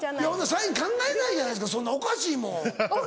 サイン考えないじゃないですかそんなおかしいもん。